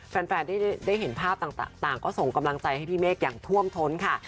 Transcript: แฟนได้เห็นภาพต่างก็ส่งกำลังใจให้พี่เมฆอย่างท่วมท้นค่ะ